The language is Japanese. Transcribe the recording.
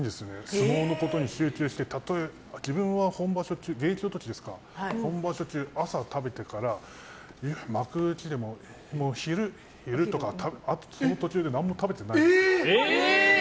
相撲のことに集中して自分は現役の時、本場所中朝食べてから、幕内でも昼とかその途中で何も食べてない。